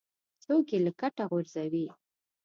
څوک یې له کټه غورځوي.